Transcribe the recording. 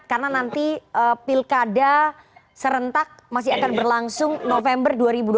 karena nanti pilkada serentak masih akan berlangsung november dua ribu dua puluh empat